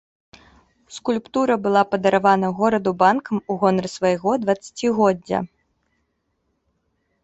Скульптура была падаравана гораду банкам у гонар свайго дваццацігоддзя.